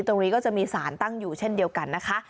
ตรงนี้ก็จะมีสารตั้งอยู่เช่นเดียวกันนะคะ